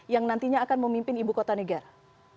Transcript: yang nantinya akan memimpin ibu kota negara